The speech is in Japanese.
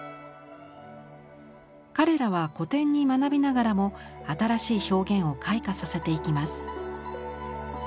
彼らは古典に学びながらも新しい表現を開花させていきます。